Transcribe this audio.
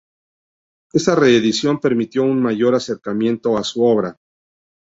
Esta reedición permitió un mayor acercamiento a su obra.